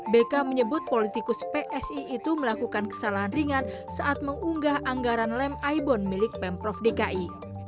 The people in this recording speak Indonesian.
bk menyebut politikus psi itu melakukan kesalahan ringan saat mengunggah anggaran lem ibon milik pemprov dki